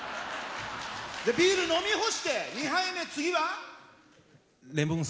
ビール飲み干して２杯目、次は？